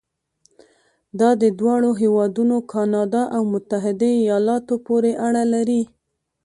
دا د دواړو هېوادونو کانادا او متحده ایالاتو پورې اړه لري.